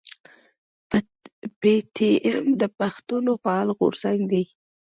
پي ټي ايم د پښتنو فعال غورځنګ دی.